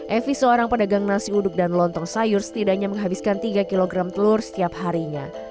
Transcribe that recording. evi seorang pedagang nasi uduk dan lontong sayur setidaknya menghabiskan tiga kg telur setiap harinya